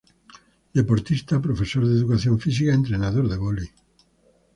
Deportista, profesor de educación física, entrenador de voley.